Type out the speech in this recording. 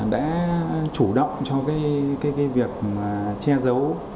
đã chủ động cho việc che giấu